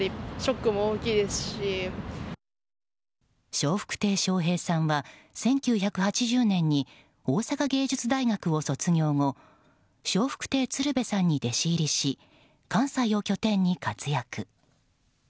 笑福亭笑瓶さんは１９８０年に大阪芸術大学を卒業後笑福亭鶴瓶さんに弟子入りし関西を拠点に活躍。